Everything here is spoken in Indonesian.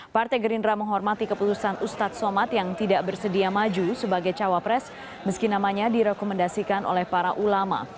partai gerindra menghormati keputusan ustadz somad yang tidak bersedia maju sebagai cawapres meski namanya direkomendasikan oleh para ulama